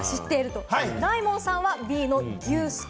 大門さんはＢの牛すき。